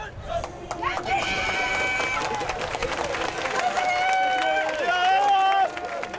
頑張れー！